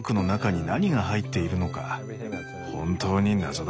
本当に謎だった。